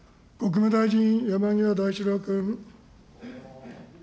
国務大臣、山際大志郎君。